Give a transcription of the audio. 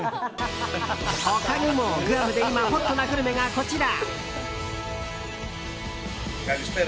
他にもグアムで今ホットなグルメがこちら。